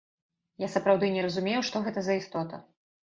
Я сапраўды не разумею, што гэта за істота.